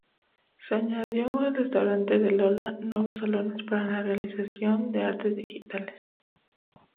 Se añadió el restaurante de Lola, nuevos salones para la realización de artes digitales.